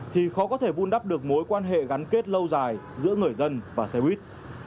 thì khó có thể vun đắp được mối quan hệ gắn kết lâu dài giữa người dân và xe buýt